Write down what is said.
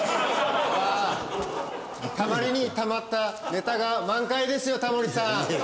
たまりにたまったネタが満開ですよタモリさん。